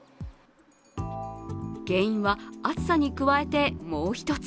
原因は、暑さに加えてもう１つ。